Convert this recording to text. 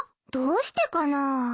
どうしてかな？